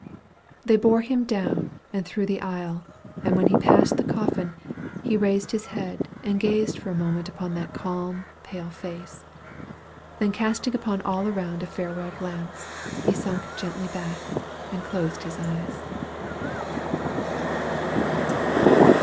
They bore him down, and through the aisle; and when he passed the coffin, he raised his head, and gazed a moment upon that calm, pale face. Then casting upon all around a farewell glance, he sunk gently back, and closed his eyes.